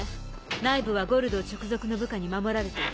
内部はゴルドー直属の部下に守られている。